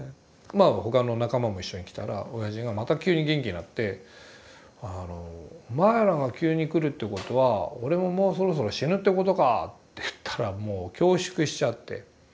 まあ他の仲間も一緒に来たら親父がまた急に元気になって「お前らが急に来るってことは俺ももうそろそろ死ぬってことか」って言ったらもう恐縮しちゃって。